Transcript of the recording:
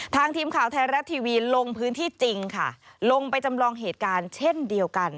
ทีมข่าวไทยรัฐทีวีลงพื้นที่จริงค่ะลงไปจำลองเหตุการณ์เช่นเดียวกัน